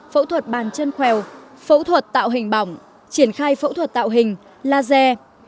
phẫu thuật bàn chân khèo phẫu thuật tạo hình bỏng triển khai phẫu thuật tạo hình laser